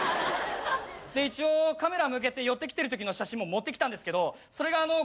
で一応カメラ向けて寄ってきてるときの写真も持ってきたんですけどそれがあのう。